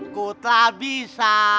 ku tak bisa